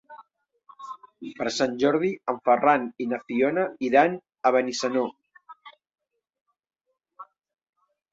Per Sant Jordi en Ferran i na Fiona iran a Benissanó.